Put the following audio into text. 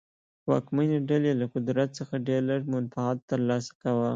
واکمنې ډلې له قدرت څخه ډېر لږ منفعت ترلاسه کاوه.